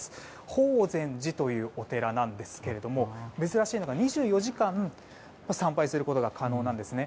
法善寺というお寺ですが珍しいのが２４時間参拝することが可能なんですね。